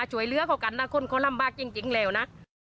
ช่วยเลือกกันจะควรกิน